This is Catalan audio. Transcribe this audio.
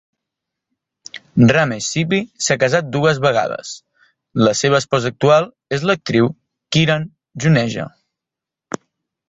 Ramesh Sippy s'ha casat dues vegades; la seva esposa actual és l'actriu Kiran Juneja.